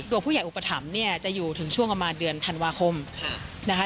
ผู้ใหญ่อุปถัมภ์เนี่ยจะอยู่ถึงช่วงประมาณเดือนธันวาคมนะคะ